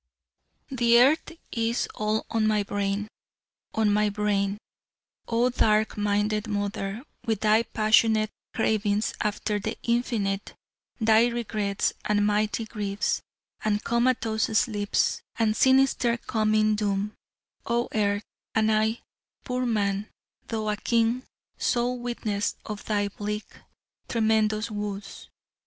The Earth is all on my brain, on my brain, O dark minded Mother, with thy passionate cravings after the Infinite, thy regrets, and mighty griefs, and comatose sleeps, and sinister coming doom, O Earth: and I, poor man, though a king, sole witness of thy bleak tremendous woes.